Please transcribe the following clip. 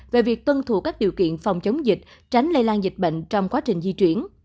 về việc tuân thủ các điều kiện phòng chống dịch tránh lây lan dịch bệnh trong quá trình di chuyển